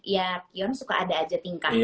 ya kion suka ada aja tingkahnya